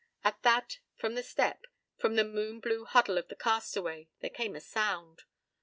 p> At that, from the step, from the moon blue huddle of the castaway, there came a sound.